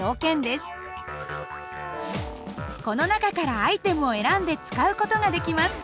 この中からアイテムを選んで使う事ができます。